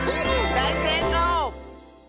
だいせいこう！